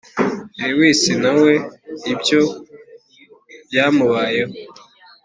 Lois na we ibyo byamubayeho